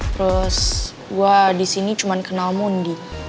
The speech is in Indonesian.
terus gue disini cuma kenal mundi